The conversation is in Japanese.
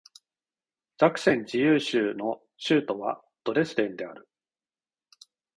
ザクセン自由州の州都はドレスデンである